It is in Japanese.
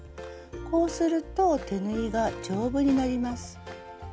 こうすると手縫いが丈夫になります。